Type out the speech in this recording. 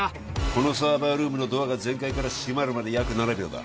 このサーバールームのドアが全開から閉まるまで約７秒だ